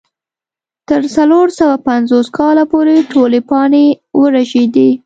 تر څلور سوه پنځوس کاله پورې ټولې پاڼې ورژېدې.